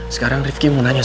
sekarang rifki mau nanya